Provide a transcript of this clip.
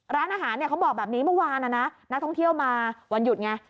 ร้านอาหารเขาบอกแบบนี้เมื่อวานนะนักท่องเที่ยวมาวันหยุดไง